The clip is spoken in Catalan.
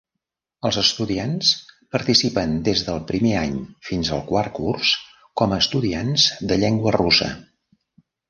Els estudiants participen des del primer any fins al quart curs com a estudiants de llengua russa.